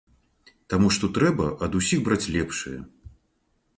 Таму што трэба ад усіх браць лепшае.